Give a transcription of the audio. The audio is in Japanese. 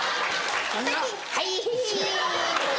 はい。